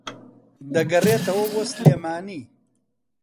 دەگەڕێتەوە بۆ سلێمانی